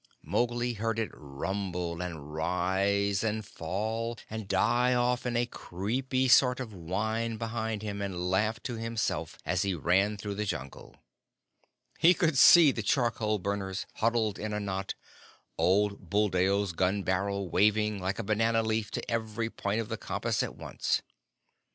Mowgli heard it rumble, and rise, and fall, and die off in a creepy sort of whine behind him, and laughed to himself as he ran through the Jungle. He could see the charcoal burners huddled in a knot; old Buldeo's gun barrel waving, like a banana leaf, to every point of the compass at once.